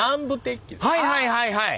はいはいはいはい。